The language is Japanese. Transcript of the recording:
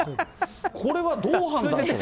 これはどう判断するの？